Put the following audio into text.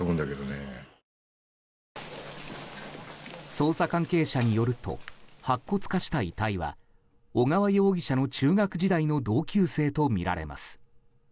捜査関係者によると白骨化した遺体は小川容疑者の中学時代の同級生とみられます。